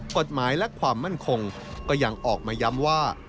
กฎหมายและความมั่นคงก็ยังออกมาย้ำว่า